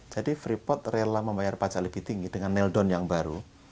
jadi freeport rela membayar pajak lebih tinggi dengan nail down yang baru